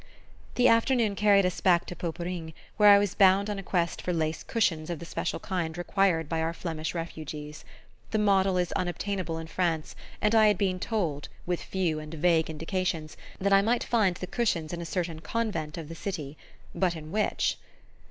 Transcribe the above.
The afternoon carried us back to Poperinghe, where I was bound on a quest for lace cushions of the special kind required by our Flemish refugees. The model is unobtainable in France, and I had been told with few and vague indications that I might find the cushions in a certain convent of the city. But in which?